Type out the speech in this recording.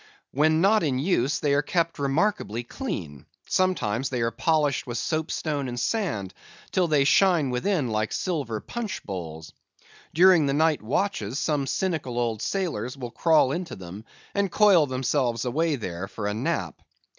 When not in use, they are kept remarkably clean. Sometimes they are polished with soapstone and sand, till they shine within like silver punch bowls. During the night watches some cynical old sailors will crawl into them and coil themselves away there for a nap.